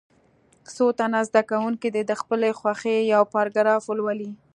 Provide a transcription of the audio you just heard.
څو تنه زده کوونکي دې د خپلې خوښې یو پاراګراف ولولي.